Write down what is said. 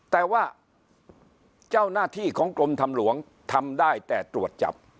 แต่ว่าเจ้าหน้าที่ของกรมทางหลวงทำได้แต่ตรวจจับ